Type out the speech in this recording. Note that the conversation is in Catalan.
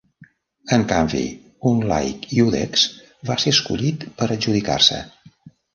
En canvi, un laic, "iudex", va ser escollit per adjudicar-se.